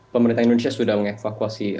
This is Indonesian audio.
pemerintah indonesia sudah mengevakuasi